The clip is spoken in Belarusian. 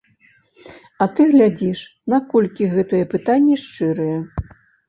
А ты глядзіш, наколькі гэтыя пытанні шчырыя.